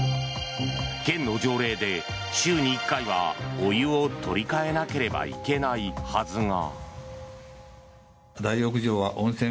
県の条例で週に１回はお湯を取り換えなければいけないはずが。